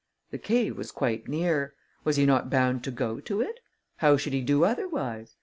The cave was quite near. Was he not bound to go to it? How should he do otherwise?